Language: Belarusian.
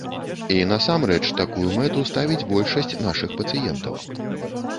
І насамрэч такую мэту ставіць большасць нашых пацыентаў.